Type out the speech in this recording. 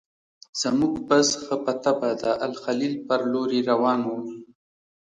زموږ بس ښه په طبعه د الخلیل پر لوري روان و.